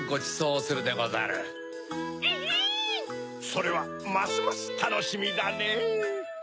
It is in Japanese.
それはますますたのしみだねぇ！